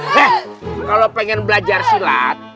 kalau pengen belajar silat